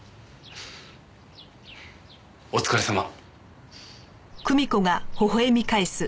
お疲れさま。